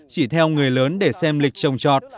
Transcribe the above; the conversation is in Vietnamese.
chỉ theo người lớn để xem lịch trồng trọt